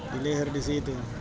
di leher di situ